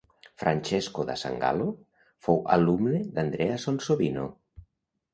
Francesco da Sangallo fou alumne d'Andrea Sansovino.